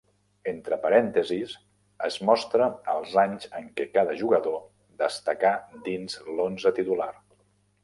Entre parèntesis es mostra els anys en què cada jugador destacà dins l'onze titular.